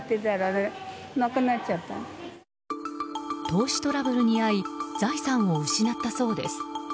投資トラブルに遭い財産を失ったそうです。